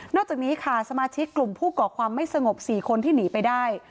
จากนี้ค่ะสมาชิกกลุ่มผู้ก่อความไม่สงบ๔คนที่หนีไปได้